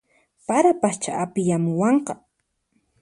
Parapaschá apiyamuwanqa